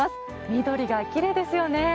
緑がきれいですよね。